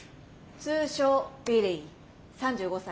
通称ビリー３５歳。